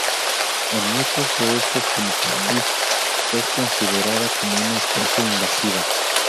En muchos de estos como Hawaii, es considerada como una especie invasiva.